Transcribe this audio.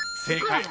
［正解！